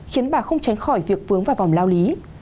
khiến bà không tránh khỏi việc vướng vào vòng lao lý